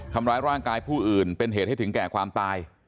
ทำร้ายร่างกายผู้อื่นเป็นเหตุให้ถึงแก่ความตาย